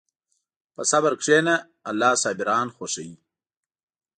په صبر کښېنه، الله صابران خوښوي.